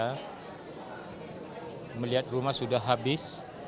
kita melihat rumah sudah habis